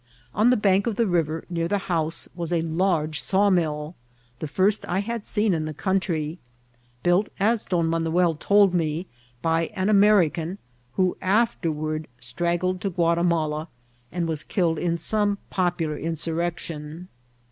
On the bank of the river, near the house, was a large sawmill, the first I had seen in the country, built, as Don Manuel t<^d me^ by an Ameriean, who afterward straggled to Guati* mala, and was killed in some popular insurrection.